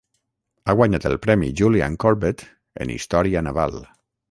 Ha guanyat el Premi Julian Corbett en Història naval.